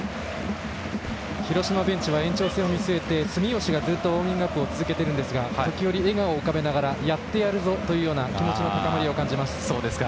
広島ベンチは延長戦を見据えて住吉がずっとウォーミングアップを続けているんですが時折、笑顔を見せながらやってやるぞという気持ちの高まりを感じます。